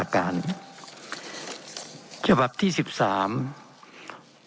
เป็นของสมาชิกสภาพภูมิแทนรัฐรนดร